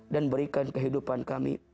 dan berikan kehidupan kami